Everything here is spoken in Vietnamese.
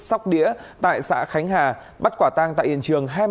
sốc đĩa tại xã khánh hà bắt quả tang tại yên trường